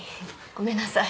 ごめんなさい。